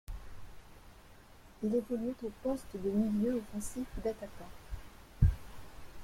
Il évoluait au poste de milieu offensif ou d'attaquant.